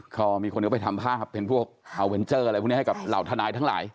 ก็มีคนก็ไปทำภาพเป็นพวกอัลเวนเจอร์อะไรพวกนี้ให้กับเหล่าทนายทั้งหลาย